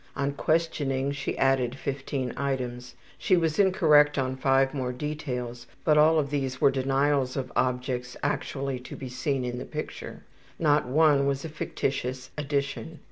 On questioning she added 15 items. She was incorrect on 5 more details, but all of these were denials of objects actually to be seen in the picture. Not one was a fictitious addition.